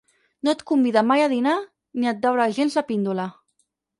No et convida mai a dinar ni et daura gens la píndola.